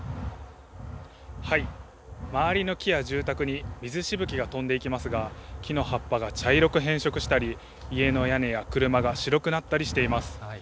周りの木や住宅に水しぶきが飛んでいきますが、木の葉っぱが茶色く変色したり、家の屋根や車が白くなったりしています。